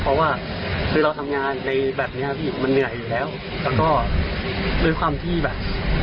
เพราะว่าคือเราทำงานในแบบเนี้ยพี่มันเหนื่อยอยู่แล้วแล้วก็ด้วยความที่แบบ